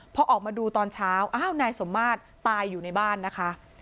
พอออกมาดูตอนเช้าอ้าวนายสมมาตรตายอยู่ในบ้านนะคะ